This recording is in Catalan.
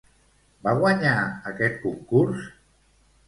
Va guanyar aquest concurs?